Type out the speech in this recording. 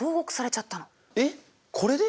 えっこれで？